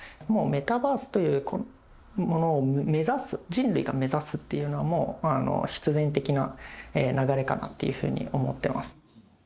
もうメタバースというものを目指す、人類が目指すというのも、必然的な流れかなというふうに思ってます。